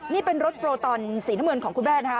นี่เป็นรถโปรตอนสีน้ำเงินของคุณแม่นะคะ